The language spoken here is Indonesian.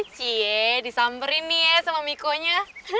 cie disamperin nih ya sama mikonya